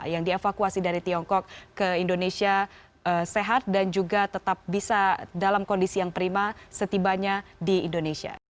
yang dievakuasi dari tiongkok ke indonesia sehat dan juga tetap bisa dalam kondisi yang prima setibanya di indonesia